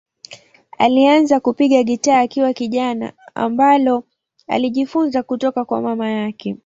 Alianza kupiga gitaa akiwa kijana, ambalo alijifunza kutoka kwa mama yake.